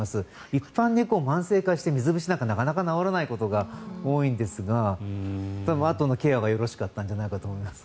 一般に慢性化して水虫になったらなかなか治らないことが多いんですがあとのケアがよろしかったんじゃないかと思います。